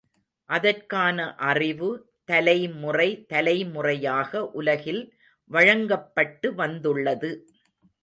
அதற்கான அறிவு, தலைமுறை தலைமுறையாக உலகில் வழங்கப்பட்டு வந்துள்ளது.